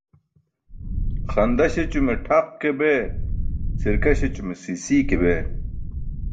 Xanda śećume tʰaq ke bee, sirka śeśume sii sii ke bee.